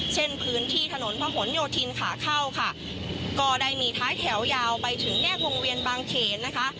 เช่นพื้นที่ถนนพะหนโยธินขาเข้าค่ะก็ได้มีท้ายแถวยาวไปถึงแยกวงเวียนบางเขนนะคะ